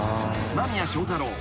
［間宮祥太朗。